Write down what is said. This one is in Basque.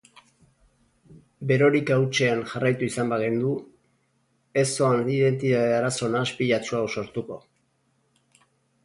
Berorika hutsean jarraitu izan bagendu, ez zoan identitate arazo nahaspilatsu hau sortuko.